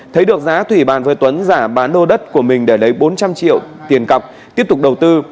thấy được giá thủy bàn với tuấn giả bán lô đất của mình để lấy bốn trăm linh triệu tiền cọc tiếp tục đầu tư